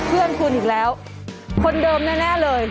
เพื่อนคุณอีกแล้วคนเดิมแน่เลย